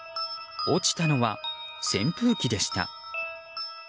落ちたのは、扇風機でした。